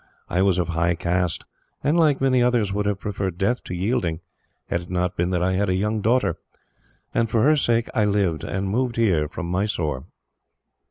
I was of high caste and, like many others, would have preferred death to yielding, had it not been that I had a young daughter; and for her sake I lived, and moved here from Mysore.